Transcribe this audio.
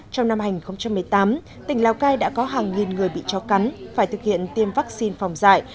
trong năm hai nghìn một mươi tám tỉnh lào cai đã có hàng nghìn người bị chó cắn phải thực hiện tiêm vaccine phòng dạy